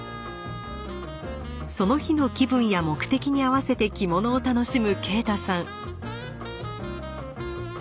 その日の気分や目的に合わせて着物を楽しむ啓太さん。